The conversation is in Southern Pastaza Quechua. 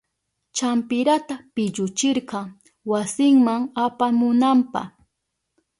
Champirata pilluchirka wasinma apamunanpa.